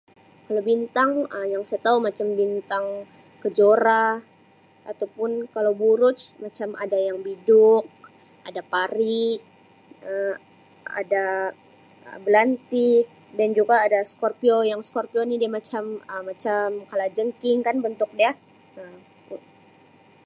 "Kalau bintang Um yang saya tau macam bintang kejora ataupun kalau buruj macam ada yang biduk, ada pari, Um ada Um belantik dan juga ada ""Scorpio"", yang ""Scorpio"" ni dia macam -macam kalajengking kan bentuk dia Um."